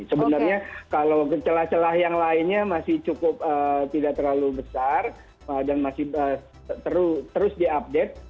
sebenarnya kalau celah celah yang lainnya masih cukup tidak terlalu besar dan masih terus diupdate